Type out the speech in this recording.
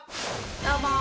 どうも。